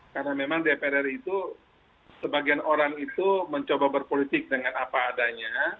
karena memang dpr ri itu sebagian orang itu mencoba berpolitik dengan apa adanya